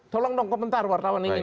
tolong dong komentar wartawan ini